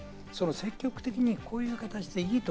積極的にこういう形でいいと。